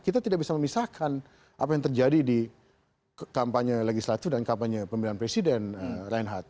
kita tidak bisa memisahkan apa yang terjadi di kampanye legislatif dan kampanye pemilihan presiden reinhardt